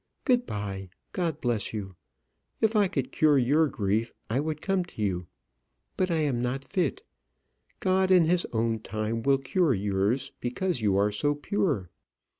Good bye; God bless you. If I could cure your grief I would come to you; but I am not fit. God in his own time will cure yours, because you are so pure.